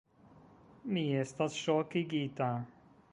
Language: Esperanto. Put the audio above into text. Mi estas ŝokigita!